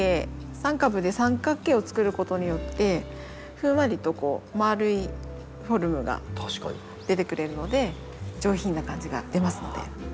３株で三角形を作ることによってふんわりと丸いフォルムが出てくれるので上品な感じが出ますので。